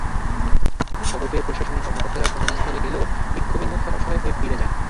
খবর পেয়ে প্রশাসনের কর্মকর্তারা ঘটনাস্থলে গেলেও বিক্ষোভের মুখে অসহায় হয়ে ফিরে যান।